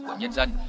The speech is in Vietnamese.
của nhân dân